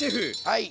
はい。